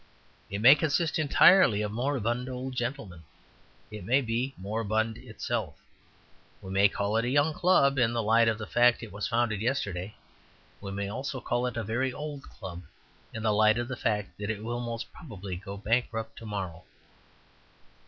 It may consist entirely of moribund old gentlemen. It may be moribund itself. We may call it a young club, in the light of the fact that it was founded yesterday. We may also call it a very old club in the light of the fact that it will most probably go bankrupt to morrow.